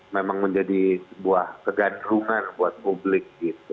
memang menjadi sebuah kegaduhan buat publik gitu